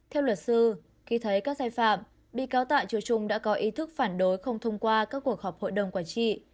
theo luật sư khi thấy các sai phạm bị cáo tạ triệu trung đã có ý thức phản đối không thông qua các cuộc họp hội đồng quản trị